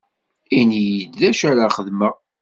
Ini-yi-d d acu ara xedmeɣ.